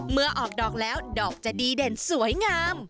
เมื่อออกดอกแล้วดอกจะดีเด่นสวยงาม